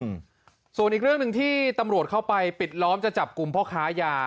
อืมส่วนอีกเรื่องหนึ่งที่ตำรวจเข้าไปปิดล้อมจะจับกลุ่มพ่อค้ายา